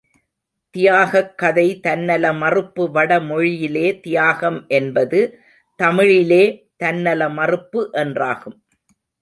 தியாகக் கதை தன்னல மறுப்பு வட மொழியிலே தியாகம் என்பது—தமிழிலே தன்னல மறுப்பு என்றாகும்.